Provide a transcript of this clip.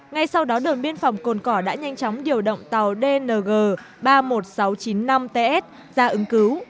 ngay sau đó đồn biên phòng cồn cỏ đã nhanh chóng điều động tàu dng ba mươi một nghìn sáu trăm chín mươi năm ts ra ứng cứu